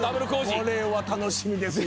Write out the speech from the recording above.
これは楽しみですよ。